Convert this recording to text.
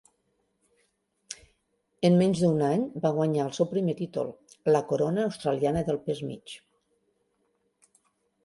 En menys d'un any va guanyar el seu primer títol, la corona australiana del pes mig.